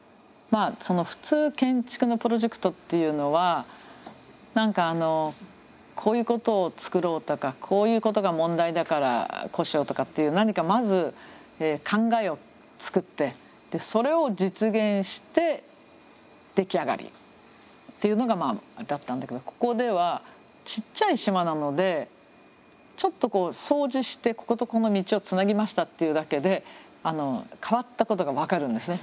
普通建築のプロジェクトっていうのは何かあのこういうことを作ろうとかこういうことが問題だからこうしようとかっていう何かまず考えを作ってそれを実現して出来上がりっていうのがだったんだけどここではちっちゃい島なのでちょっと掃除してこことここの道をつなぎましたっていうだけで変わったことが分かるんですね。